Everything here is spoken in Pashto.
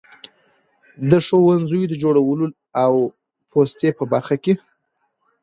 د ښوونځیو د جوړولو او پوستې په برخه کې.